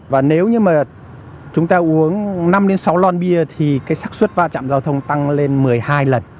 và nếu như mà chúng ta uống năm sáu lon bia thì cái sắc xuất va chạm giao thông tăng lên một mươi hai lần